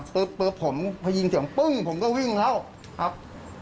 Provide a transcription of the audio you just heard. เปิบผมพยิงเสียงปึ้งผมก็วิ่งแล้วครับ